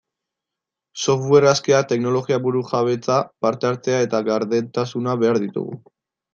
Software askea, teknologia burujabetza, parte-hartzea eta gardentasuna behar ditugu.